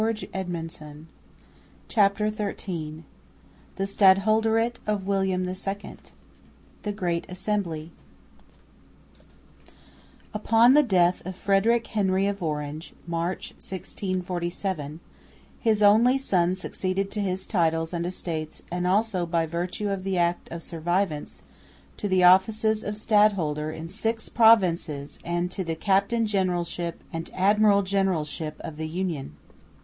CHAPTER XIII THE STADHOLDERATE OF WILLIAM II. THE GREAT ASSEMBLY Upon the death of Frederick Henry of Orange (March, 1647), his only son succeeded to his titles and estates and also by virtue of the Act of Survivance to the offices of Stadholder in six provinces and to the Captain Generalship and Admiral Generalship of the Union.